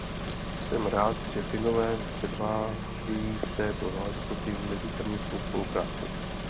Jsem rád, že Finové předvádějí v této záležitosti mezistranickou spolupráci.